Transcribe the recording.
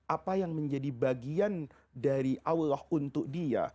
apa yang menjadi bagian dari allah untuk dia